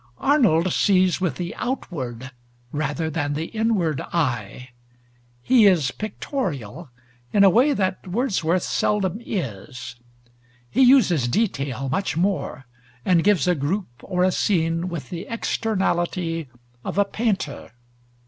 Arnold sees with the outward rather than the inward eye. He is pictorial in a way that Wordsworth seldom is; he uses detail much more, and gives a group or a scene with the externality of a painter.